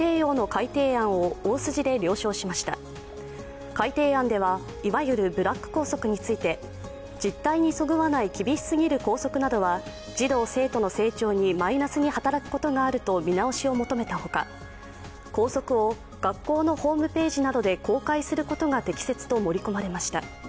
改訂案では、いわゆるブラック校則について、実態にそぐわない厳し過ぎる校則などは児童・生徒の成長にマイナスに働くことがあると見直しを求めたほか校則を学校のホームページになどで公開することが適切と盛り込まれました。